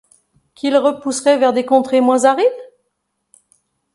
qui le repousseraient vers des contrées moins arides ?